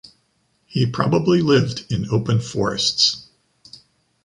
He probably lived in open forests.